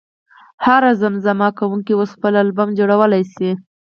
هر زمزمه کوونکی اوس خپل البوم جوړولی شي.